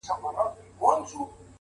مهرباني د زړونو واټن ختموي